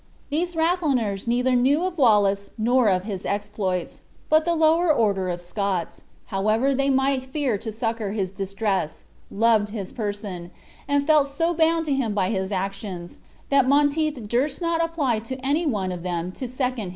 These Rathliners neither knew of Wallace nor his exploits; but the lower order of Scots, however they might fear to succor his distress, loved his person, and felt so bound to him by his actions, that Monteith durst not apply to any one of them to second his villainy.